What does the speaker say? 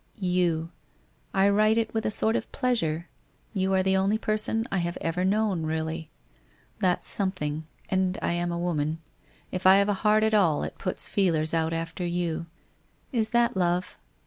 You. I write it with a sort of pleasure, you are the only person I have ever known really. That's some thing, and I am a woman. If I have a heart at all it puts feelers out after you. Is that love?